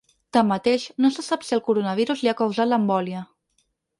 Tanmateix, no se sap si el coronavirus li ha causat l’embòlia.